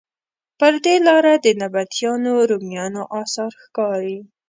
پر دې لاره د نبطیانو، رومیانو اثار ښکاري.